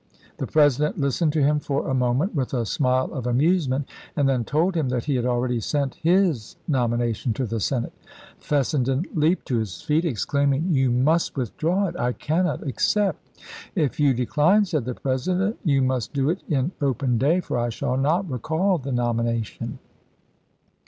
The President listened to him for a moment with a smile of amusement, and then told him that he had already sent his nomination to the Senate. Fessenden leaped to his feet, exclaiming, " You must withdraw it. I cannot accept." " If you decline," said the President, " you must do it in open day, for I shall not recall the nomination."